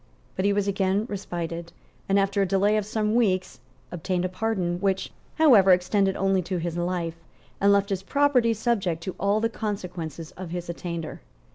But he was again respited, and, after a delay of some weeks, obtained a pardon, which, however, extended only to his life, and left his property subject to all the consequences of his attainder.